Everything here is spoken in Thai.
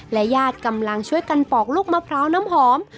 ญาติกำลังช่วยกันปอกลูกมะพร้าวน้ำหอม